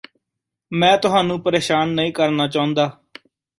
ਮੈਂ ਤੁਹਾਨੂੰ ਪ੍ਰੇਸ਼ਾਨ ਨਹੀਂ ਕਰਨਾ ਚਾਹੁੰਦਾ